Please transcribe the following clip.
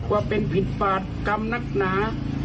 ว่าเป็นผิดปาดกรรมนักหนา